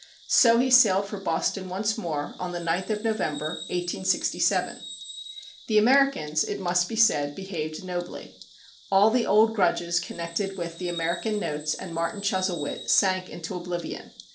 So he sailed for Boston once more on the 9th of November, 1867. The Americans, it must be said, behaved nobly. All the old grudges connected with "The American Notes," and "Martin Chuzzlewit," sank into oblivion.